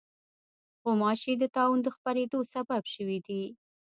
غوماشې د طاعون د خپرېدو سبب شوې دي.